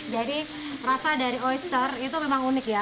jadi rasa dari oyster itu memang unik ya